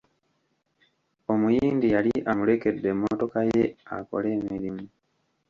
Omuyindi yali amulekedde emmotoka ye akole emirimu.